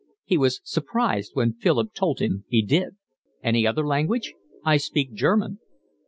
He was surprised when Philip told him he did. "Any other language?" "I speak German."